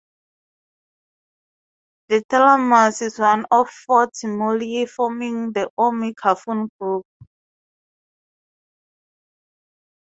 The tumulus is one of four tumuli forming the Omi Kofun Group.